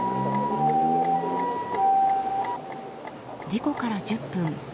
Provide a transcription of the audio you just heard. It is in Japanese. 事故から１０分。